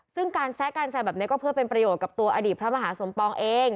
ซึ่งการแซะการแซวแบบนี้ก็เพื่อเป็นประโยชน์กับตัวอดีตพระมหาสมปองเอง